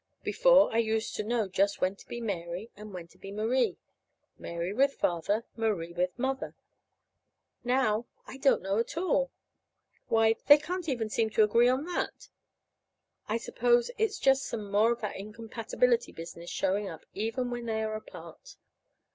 Before, I used to know just when to be Mary, and when to be Marie Mary with Father, Marie with Mother. Now I don't know at all. Why, they can't even seem to agree on that! I suppose it's just some more of that incompatibility business showing up even when they are apart.